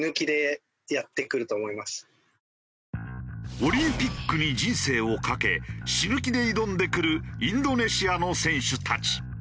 オリンピックに人生を懸け死ぬ気で挑んでくるインドネシアの選手たち。